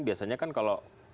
biasanya kan kalau